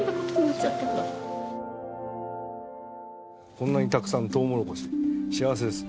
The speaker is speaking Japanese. こんなにたくさんのトウモロコシ幸せです。